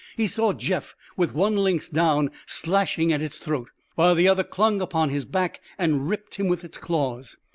He saw Jeff with one lynx down, slashing at its throat, while the other clung upon his back and ripped him with its claws.